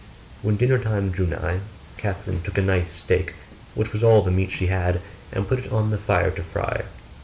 When dinner time drew nigh, Catherine took a nice steak, which was all the meat she had, and put it on the fire to fry.